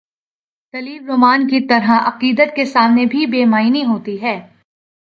دلیل رومان کی طرح، عقیدت کے سامنے بھی بے معنی ہو تی ہے۔